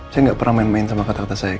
saya nggak pernah main main sama kata kata saya